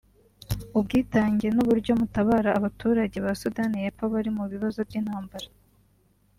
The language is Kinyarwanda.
ubwitange n’uburyo mutabara abaturage ba Sudani y’Epfo bari mu bibazo by’intambara”